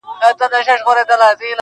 که سل کاله ژوندی یې، آخر د ګور بنده یې -